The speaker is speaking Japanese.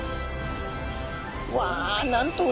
うわ！